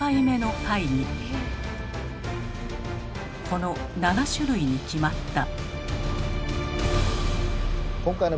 この７種類に決まった。